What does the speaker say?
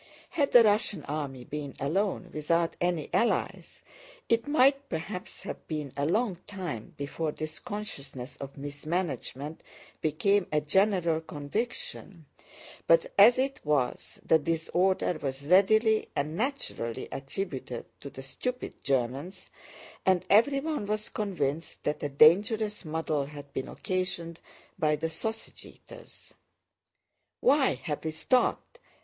Had the Russian army been alone without any allies, it might perhaps have been a long time before this consciousness of mismanagement became a general conviction, but as it was, the disorder was readily and naturally attributed to the stupid Germans, and everyone was convinced that a dangerous muddle had been occasioned by the sausage eaters. "Why have we stopped?